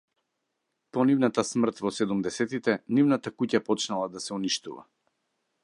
По нивната смрт во седумдесетите, нивната куќа почнала да се уништува.